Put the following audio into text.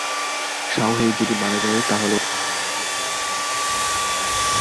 শাওহেই যদি মারা যায়, তাহলে এটা দানবদের জন্য করেছো তা কীভাবে বলবে?